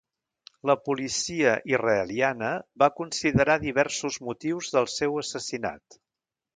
La policia israeliana va considerar diversos motius del seu assassinat.